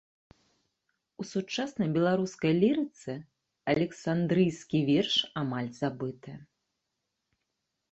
У сучаснай беларускай лірыцы александрыйскі верш амаль забыты.